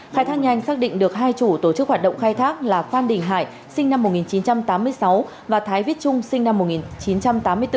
khai thác nhanh xác định được hai chủ tổ chức hoạt động khai thác là phan đình hải sinh năm một nghìn chín trăm tám mươi sáu và thái viết trung sinh năm một nghìn chín trăm tám mươi bốn